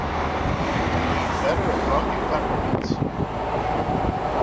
He’d better have brought you peppermints.